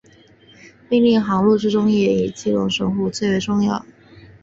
命令航路之中也以基隆神户线最为重要。